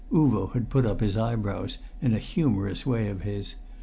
Uvo had put up his eyebrows in a humorous way of his.